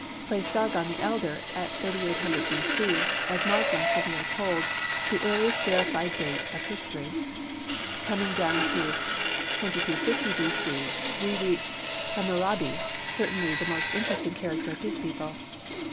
Place Sargon the Elder at 3800 B.C. as marking, so we are told, the earliest verified date of history. Coming down to 2250 B.C., we reach Hammurabi, certainly the most interesting character of his people.